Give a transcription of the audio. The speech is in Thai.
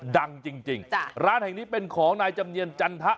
ดังจริงร้านแห่งนี้เป็นของนายจำเนียนจันทะ